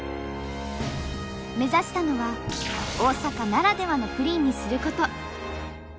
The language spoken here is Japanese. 目指したのは大阪ならではのプリンにすること。